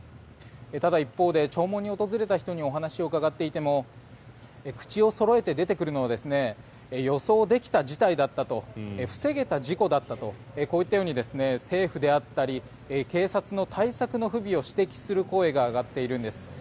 ただ、一方で弔問に訪れた人にお話を伺っていても口をそろえて出てくるのは予想できた事態だったと防げた事故だったとこういったように政府であったり警察の対策の不備を指摘する声が上がっているんです。